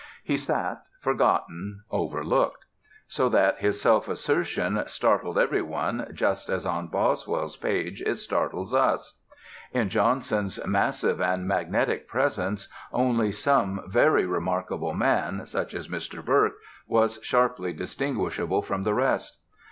He sat forgotten, overlooked; so that his self assertion startled every one just as on Boswell's page it startles us. In Johnson's massive and magnetic presence only some very remarkable man, such as Mr. Burke, was sharply distinguishable from the rest.